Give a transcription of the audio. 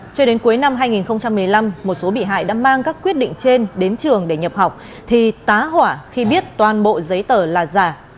cho đến cuối năm hai nghìn một mươi năm một số bị hại đã mang các quyết định trên đến trường để nhập học thì tá hỏa khi biết toàn bộ giấy tờ là giả